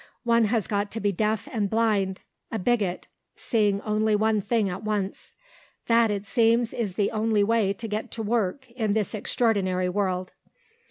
One has got to be deaf and blind a bigot, seeing only one thing at once. That, it seems, is the only way to get to work in this extraordinary world.